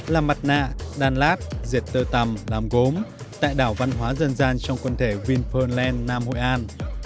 làm mặt nạ đan lát diệt tơ tầm làm gốm tại đảo văn hóa dân gian trong quân thể vinferland nam hội an